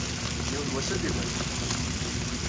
Yiwen wass ad d-iban lḥeqq.